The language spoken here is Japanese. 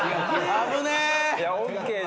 危ねえ。